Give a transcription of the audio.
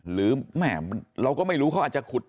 หรือแม่เราก็ไม่รู้เขาอาจจะขุด